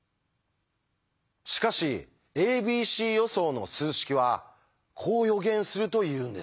しかし「ａｂｃ予想」の数式はこう予言するというんです。